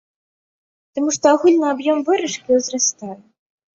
Таму што агульны аб'ём выручкі ўзрастае.